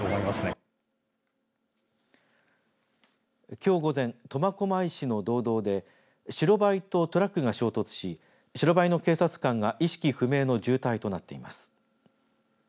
きょう午前苫小牧市の道道で白バイとトラックが衝突し白バイの警察官が意識不明の重体となっています。